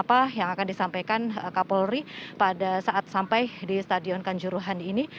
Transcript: dan apa yang akan disampaikan kapolri pada saat sampai di stadion kanjuruhan ini